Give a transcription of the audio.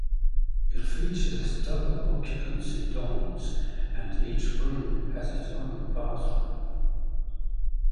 It features double occupancy dorms, and each room has its own bathroom.